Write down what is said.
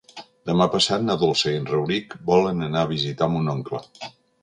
Demà passat na Dolça i en Rauric volen anar a visitar mon oncle.